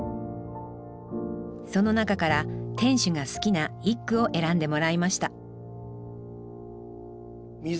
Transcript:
その中から店主が好きな一句を選んでもらいました「水洟」。